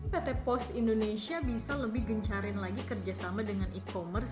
pt pos indonesia bisa lebih gencarin lagi kerjasama dengan e commerce